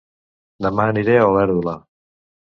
Dema aniré a Olèrdola